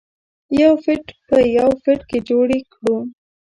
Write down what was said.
یو فټ په یو فټ کې جوړې کړو.